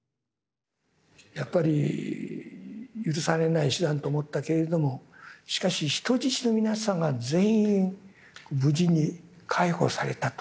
やっぱり許されない手段と思ったけれどもしかし人質の皆さんが全員無事に解放されたと。